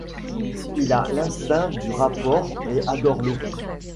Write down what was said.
Il a l'instinct du rapport et adore l'eau.